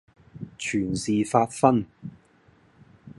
全是發昏；